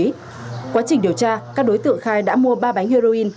quá trình điều tra các đối tượng khai đã mua ba bánh heroin